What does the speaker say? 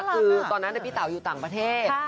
คือตอนนั้นพี่เต๋าอยู่ต่างประเทศ